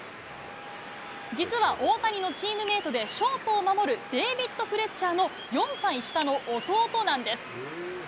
実は大谷のチームメートでショートを守るデービッド・フレッチャーの４歳下の弟なんです。